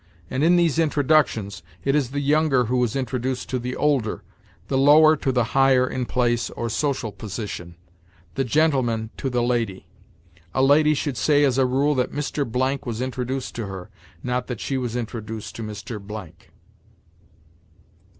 And in these introductions, it is the younger who is introduced to the older; the lower to the higher in place or social position; the gentleman to the lady. A lady should say, as a rule, that Mr. Blank was introduced to her, not that she was introduced to Mr. Blank.